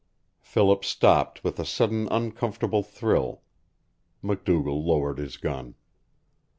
Philip stopped with a sudden uncomfortable thrill. MacDougall lowered his gun.